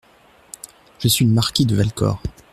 Je suis le marquis de Valcor.